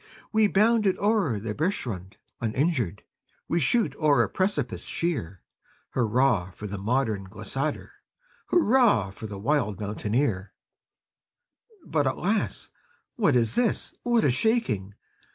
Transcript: We bound o'er the bergschrund uninjured, We shoot o'er a precipice sheer; Hurrah, for the modern glissader! Hurrah, for the wild mountaineer! But, alas! what is this? what a shaking!